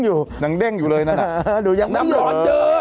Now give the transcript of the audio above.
อยู่อยู่เลยน่ะนี่